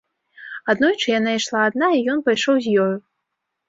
Аднойчы яна ішла адна, і ён пайшоў з ёю.